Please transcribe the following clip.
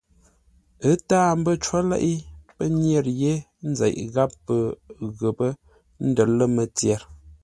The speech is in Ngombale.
Ə́ táa mbə́ có leʼé, pə́ nyə̂r yé nzeʼ gháp pə ghəpə́ ə́ ndə̌r lə̂ mətyer.